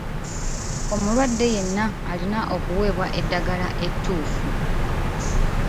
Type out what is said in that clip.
Omulwaddeyenna alina okuweebwa eddagala ettuufu.